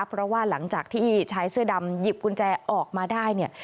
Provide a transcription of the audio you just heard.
เพราะว่าหลังจากที่ชายเสื้อดำหยิบกุญแจออกมาได้เนี่ย